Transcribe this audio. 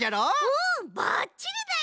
うんばっちりだよ！